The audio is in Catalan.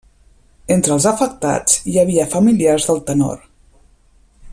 Entre els afectats hi havia familiars del tenor.